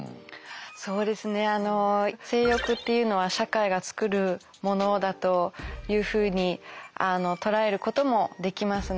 そうですねあの性欲っていうのは社会がつくるものだというふうに捉えることもできますね。